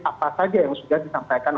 apa saja yang sudah disampaikan